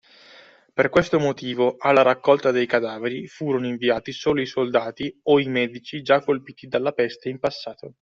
Per questo motivo, alla raccolta dei cadaveri furono inviati solo i soldati o i medici già colpiti dalla peste in passato